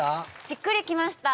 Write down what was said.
しっくりきました